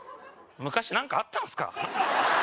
昔なんかあったんすか？